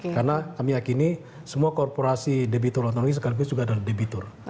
karena kami yakini semua korporasi debitur otomatis sekarang juga ada debitur